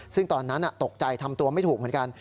ซึ่งตอนนั้นตกใจทำตัวไม่ถูกเหมือนกัน